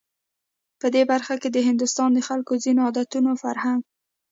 په دې برخه کې د هندوستان د خلکو ځینو عادتونو، فرهنک